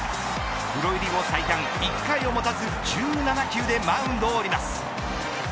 プロ入り後、最短１回を待たず１７球でマウンドを降ります。